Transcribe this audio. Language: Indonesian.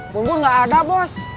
bumbu gak ada bos